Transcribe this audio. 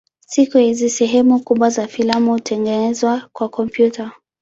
Siku hizi sehemu kubwa za filamu hutengenezwa kwa kompyuta.